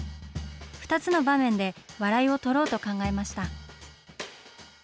２つの場面で笑いをとろうと考えました。